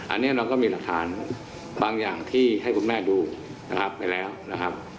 อันนี้เราก็มีหลักฐานบางอย่างที่ให้คุณแม่ดูนะครับไปแล้วนะครับ